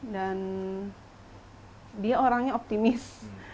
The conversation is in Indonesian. dan dia orangnya optimis